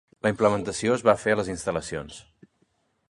La implementació es va fer a les instal·lacions.